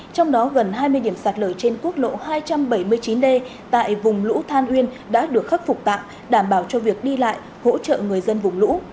trong đó gần hai mươi điểm sạt lở trên quốc lộ hai trăm bảy mươi chín d tại vùng lũ than uyên đã được khắc phục tạm đảm bảo cho việc đi lại hỗ trợ người dân vùng lũ